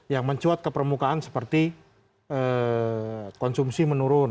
yang mencuat ke permukaan seperti konsumsi menurun